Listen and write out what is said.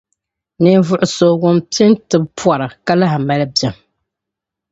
Ninvuɣ' so ŋun pini tibu pɔra, ka lahi mali biɛm.